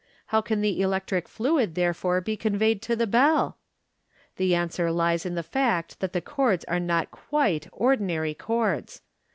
How can the electric fluid therefore be conveyed to the bell ?The answer lies in the fact that the cords are not quite ordinary cords.